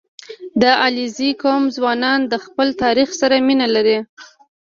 • د علیزي قوم ځوانان د خپل تاریخ سره مینه لري.